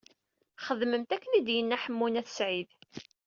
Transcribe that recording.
Xedmemt akken i d-yenna Ḥemmu n At Sɛid.